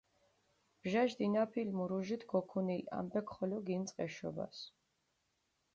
ბჟაშ დინაფილ მურუჟით გოქუნილ ამბექ ხოლო გინწყჷ ეშობას.